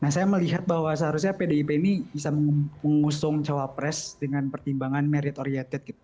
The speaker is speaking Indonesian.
nah saya melihat bahwa seharusnya pdip ini bisa mengusung cawapres dengan pertimbangan merit oriented